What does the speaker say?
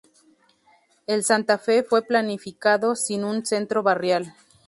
El Santa Fe fue planificado sin un centro barrial.